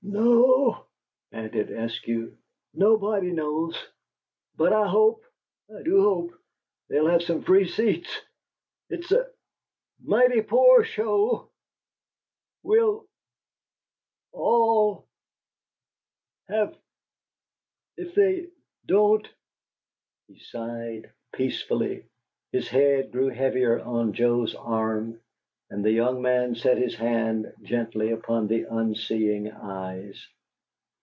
"No," panted Eskew, "nobody knows. But I hope I do hope they'll have some free seats. It's a mighty poor show we'll all have if they don't!" He sighed peacefully, his head grew heavier on Joe's arm; and the young man set his hand gently upon the unseeing eyes.